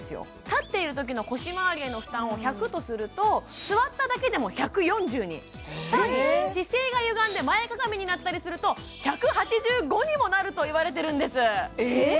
立っているときの腰まわりへの負担を１００とすると座っただけでも１４０に更に姿勢がゆがんで前かがみになったりすると１８５にもなるといわれてるんですえっ！